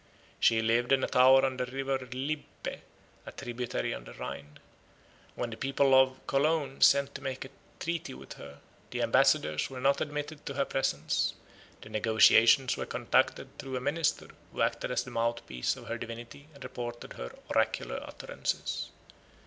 She lived in a tower on the river Lippe, a tributary of the Rhine. When the people of Cologne sent to make a treaty with her, the ambassadors were not admitted to her presence; the negotiations were conducted through a minister, who acted as the mouthpiece of her divinity and reported her oracular utterances.